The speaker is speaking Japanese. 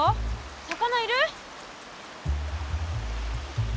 魚いる？